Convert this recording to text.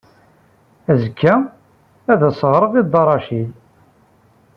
Azekka ad as-ɣreɣ i Dda Racid.